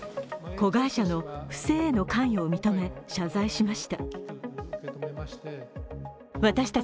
子会社の不正への関与を認め謝罪しました。